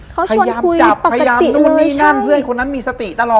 ภายามหนูนนี่นั่นเพื่อนคนนั้นมีสติตลอด